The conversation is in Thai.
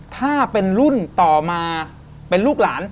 ถ้าเป็นรุ่นต่อมาเป็นลูกหลาน